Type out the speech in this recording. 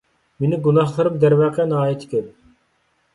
مېنىڭ گۇناھلىرىم، دەرۋەقە، ناھايىتى كۆپ.